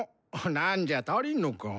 何じゃ足りんのか。